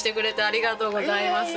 ありがとうございます。